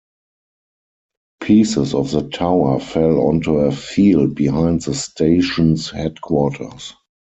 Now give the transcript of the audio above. Pieces of the tower fell onto a field behind the station's headquarters.